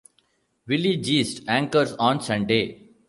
Willie Geist anchors on Sunday.